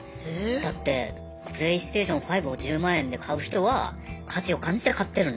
だってプレイステーション５を１０万円で買う人は価値を感じて買ってるんですから。